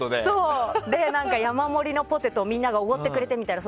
山盛りのポテトを、みんながおごってくれてみたいな。